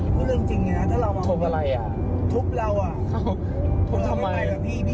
พี่ทุบอะไรอ่ะ